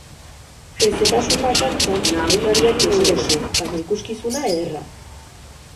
Hezetasuna kantxan, pilotariak deseroso baina ikuskizuna ederra.